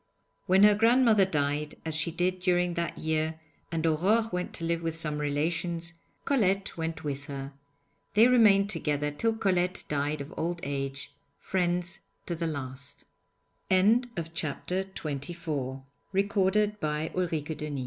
When her grandmother died, as she did during that year, and Aurore went to live with some relations, Colette went with her. They remained together till Colette died of old age, friends to the last. [Illustration: AURORE RESCUED BY